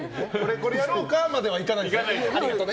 これやろうか？まではいかないんですね。